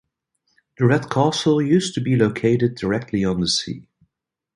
The Red Castle used to be located directly on the sea.